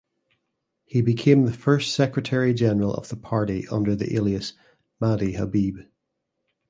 He became the first secretary general of the party under the alias Mahdi Habib.